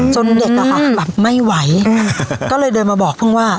จนเด็กก็คือไม่ไหวก็เลยเดินมาบอกเพิ่งว่า